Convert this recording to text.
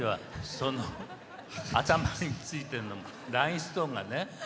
その頭についてるラインストーン。